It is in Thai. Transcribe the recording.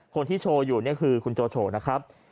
โชว์อยู่นี่คือคุณโจโฉนะครับ